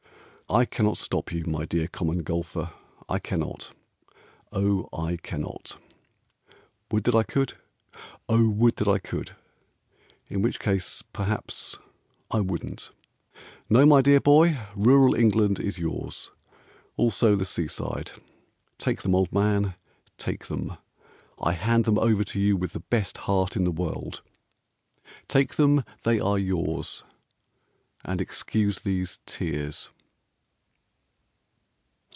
I cannot stop you, my dear Common Golfer, I cannot, O I cannot! Would that I could. O would that I could! In which case, perhaps, I wouldn't. No, my dear boy, Rural England is yours, Also the sea side, Take them, old man, take them; I hand them over to you with the best heart in the world. Take them they are yours And excuse these tears.